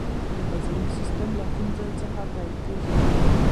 د هاضمې سیستم له کوم ځای څخه پیلیږي